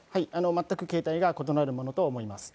全く形態が異なるものと思います。